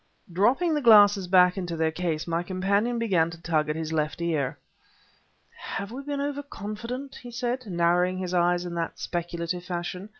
Dropping the glasses back into their case, my companion began to tug at his left ear. "Have we been over confident?" he said, narrowing his eyes in speculative fashion.